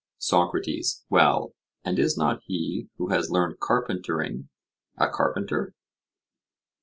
SOCRATES: Well, and is not he who has learned carpentering a carpenter?